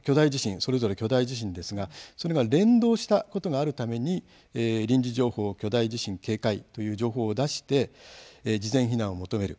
それぞれ巨大地震ですがそれが連動したことがあるために「臨時情報」という情報を出して事前避難を求める。